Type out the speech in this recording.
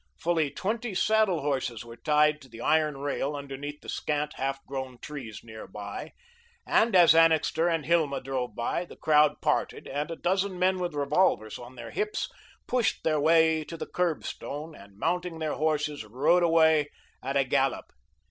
Fully twenty saddle horses were tied to the iron rail underneath the scant, half grown trees near by, and as Annixter and Hilma drove by, the crowd parted and a dozen men with revolvers on their hips pushed their way to the curbstone, and, mounting their horses, rode away at a gallop.